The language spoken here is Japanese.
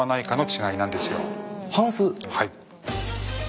はい。